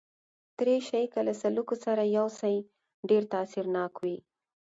دریشي که له سلوکه سره یوسې، ډېر تاثیرناک وي.